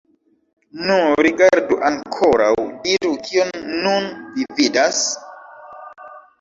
Nu, rigardu ankoraŭ, diru, kion nun vi vidas?